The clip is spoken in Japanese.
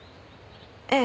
ええ。